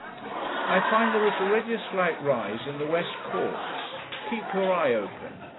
'I find there is already a slight rise in the West Corks. Keep your eye open.